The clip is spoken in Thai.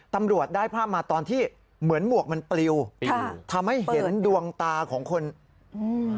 ตำรวจได้ภาพมาตอนที่เหมือนหมวกมันปลิวค่ะทำให้เห็นดวงตาของคนอืม